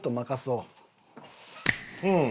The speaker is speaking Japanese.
うん。